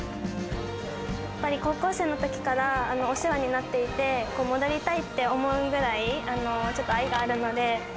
やっぱり高校生のときから、お世話になっていて、戻りたいって思うぐらい、ちょっと愛があるので。